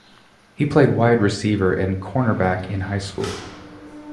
He played wide receiver and cornerback in high school.